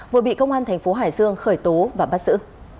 vừa bị công an thành phố hải dương khởi tố và bắt giữ